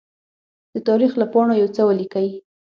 د تاریخ له پاڼو يوڅه ولیکئ!